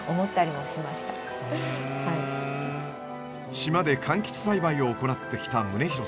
島でかんきつ栽培を行ってきた宗郭さん。